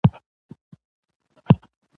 نه هګۍ پرېږدي نه چرګه په کوڅه کي